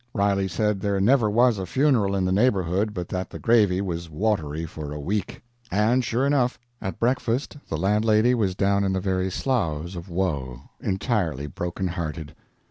Riley said there never was a funeral in the neighborhood but that the gravy was watery for a week. And, sure enough, at breakfast the landlady was down in the very sloughs of woe entirely brokenhearted.